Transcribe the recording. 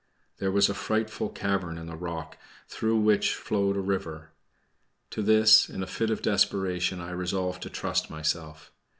There was a frightful cavern in the rock, through which flowed a river. To this, in a fit of desperation, I resolved to trust myself.